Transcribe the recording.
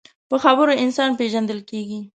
په خبرو انسان پیژندل کېږي